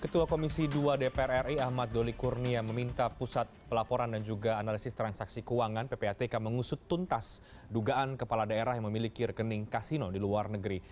ketua komisi dua dpr ri ahmad doli kurnia meminta pusat pelaporan dan juga analisis transaksi keuangan ppatk mengusut tuntas dugaan kepala daerah yang memiliki rekening kasino di luar negeri